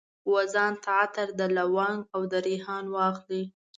وځان ته عطر، د لونګ او دریحان واخلي